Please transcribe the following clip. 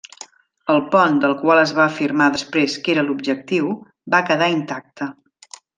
El pont, del qual es va afirmar després que era l'objectiu, va quedar intacte.